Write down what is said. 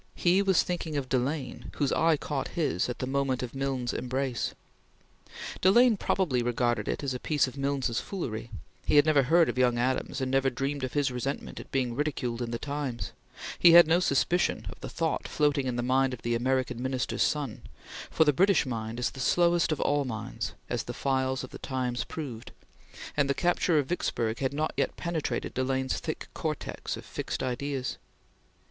He was thinking of Delane, whose eye caught his, at the moment of Milnes's embrace. Delane probably regarded it as a piece of Milnes's foolery; he had never heard of young Adams, and never dreamed of his resentment at being ridiculed in the Times; he had no suspicion of the thought floating in the mind of the American Minister's son, for the British mind is the slowest of all minds, as the files of the Times proved, and the capture of Vicksburg had not yet penetrated Delane's thick cortex of fixed ideas.